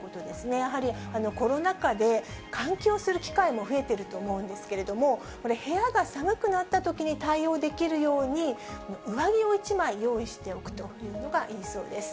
やはりコロナ禍で換気をする機会も増えていると思うんですけれども、これ、部屋が寒くなったときに対応できるように、上着を１枚用意しておくというのがいいそうです。